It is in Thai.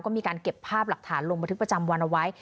ก็มีการเก็บภาพหลักฐานลงบันทึกประจำวันเอาไว้